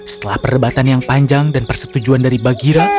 setelah perdebatan yang panjang dan persetujuan dari bagira